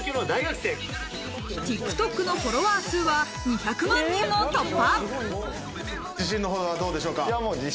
ＴｉｋＴｏｋのフォロワー数は２００万人を突破。